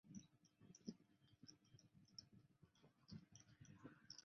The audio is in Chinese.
田浦站横须贺线的铁路车站。